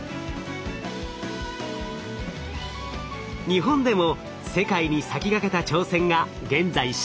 日本でも世界に先駆けた挑戦が現在進行中。